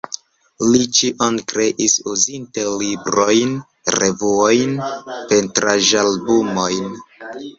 Li ĉion kreis, uzinte librojn, revuojn, pentraĵalbumojn.